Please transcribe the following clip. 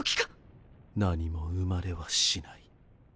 何も生まれはしない。